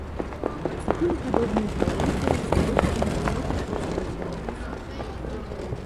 Цыбулепадобнай галоўкай завершаны высокі шацёр званіцы.